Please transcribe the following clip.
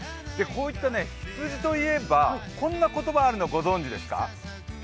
こういった羊といえば、こんな言葉があるのをご存じですか？